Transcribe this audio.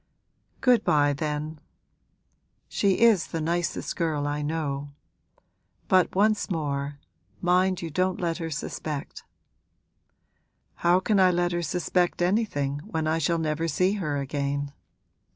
'Good bye then. She is the nicest girl I know. But once more, mind you don't let her suspect!' 'How can I let her suspect anything when I shall never see her again?'